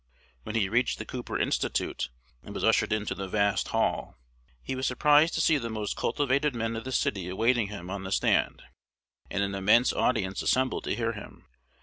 When he reached the Cooper Institute, and was ushered into the vast hall, he was surprised to see the most cultivated men of the city awaiting him on the stand, and an immense audience assembled to hear him.